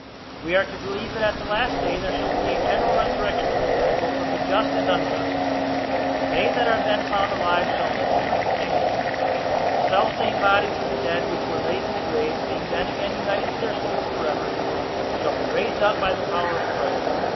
We are to believe that at the last day there shall be a general resurrection of the dead, both of the just and unjust: when they that are then found alive shall in a moment be changed; and the selfsame bodies of the dead which were laid in the grave, being then again united to their souls forever, shall be raised up by the power of Christ.